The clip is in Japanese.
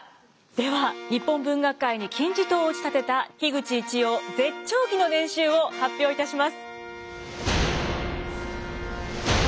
では日本文学界に金字塔を打ち立てた口一葉絶頂期の年収を発表いたします。